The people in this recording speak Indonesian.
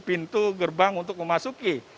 pintu gerbang untuk memasuki